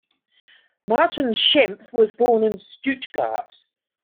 Martin Schempp was born in Stuttgart.